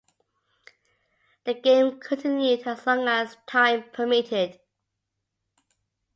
The game continued as long as time permitted.